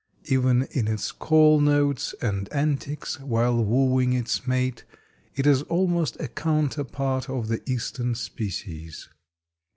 Even in its call notes and antics while wooing its mate it is almost a counterpart of the eastern species.